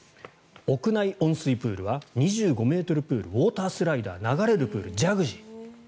屋内温水プールは２５ｍプールウォータースライダー流れるプールジャグジー。